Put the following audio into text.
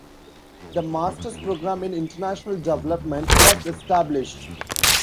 The Master's Program in International Development was established.